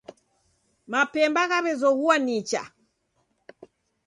Mapemba ghawezoghua nicha